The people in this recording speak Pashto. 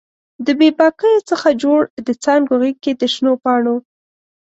د بې باکیو څخه جوړ د څانګو غیږ کې د شنو پاڼو